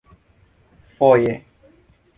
foje